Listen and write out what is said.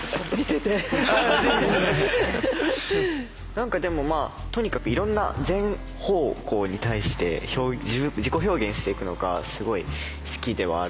何かでもとにかくいろんな全方向に対して自己表現していくのがすごい好きではあるんですよね。